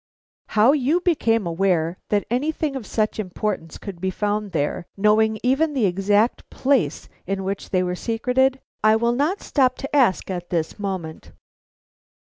How you became aware that anything of such importance could be found there, knowing even the exact place in which they were secreted, I will not stop to ask at this moment.